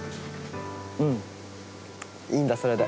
「うん」いいんだそれで。